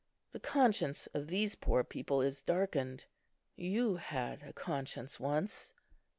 The conscience of these poor people is darkened. You had a conscience once."